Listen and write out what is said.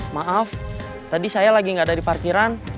maaf tadi saya lagi nggak ada di parkiran